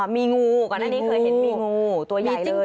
มีงูก่อนหน้านี้เคยเห็นมีงูตัวใหญ่เลย